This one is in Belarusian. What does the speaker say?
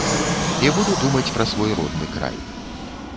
І буду думаць пра свой родны край.